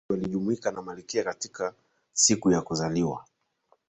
watu wengi walijumuika na malkia katika siku ya kuzaliwa